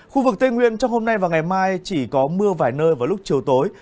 khu vực tây nguyên trong hôm nay và ngày mai chỉ có mưa vài nơi vào lúc chiều tối